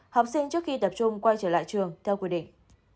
học sinh trước khi tập trung quay trở lại trường theo quy định